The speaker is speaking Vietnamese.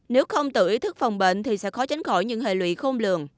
nếu không tự ý thức phòng bệnh thì sẽ khó tránh khỏi những hệ lụy khôn lường